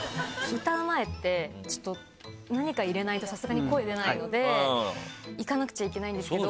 歌う前って何か入れないとさすがに声出ないので行かなくちゃいけないんですけど。